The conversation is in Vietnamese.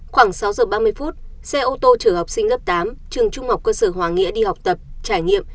khoảng sáu giờ ba mươi phút xe ô tô chở học sinh lớp tám trường trung học cơ sở hòa nghĩa đi học tập trải nghiệm